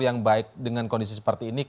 yang baik dengan kondisi seperti ini